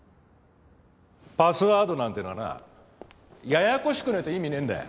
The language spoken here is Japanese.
パスワードなんてのはなややこしくねえと意味ねえんだよ。